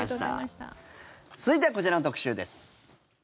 続いてはこちらの特集です。